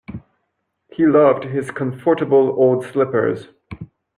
He loved his comfortable old slippers.